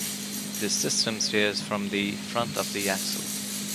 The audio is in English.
This system steers from the front of the axle.